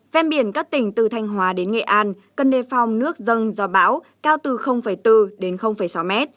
phem biển các tỉnh từ thanh hóa đến nghệ an cân đề phòng nước dâng do bão cao từ bốn sáu m